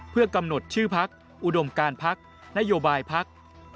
เพื่อกำหนดชื่อพักอุดมการพักนโยบายพัก